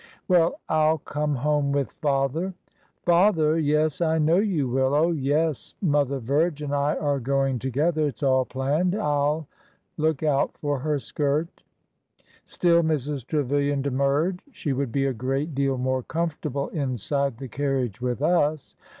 '' Well, I 'll come home with father." '^Father! Yes, I know you will! ... Oh, yes, mo ther, Virge and I are going together. It 's all planned. I 'll look out for her skirt." Still Mrs. Trevilian demurred. She would be a great deal more comfortable inside the carriage with us."